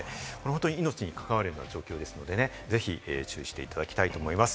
命に関わる状況なので、ぜひ注意していただきたいと思います。